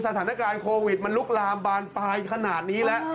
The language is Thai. สถานการณ์โควิดมันลุกลามบานปลายขนาดนี้แล้ว